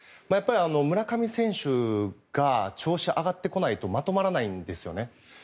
村上選手が調子が上がってこないとまとまらないんですよね。